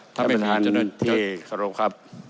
ท่านประธานที่สร้างครับ